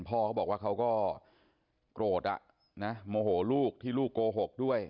พ่อเขาบอกว่าเขาก็โกรธอ่ะนะโมโหลูกที่ลูกโกหกด้วย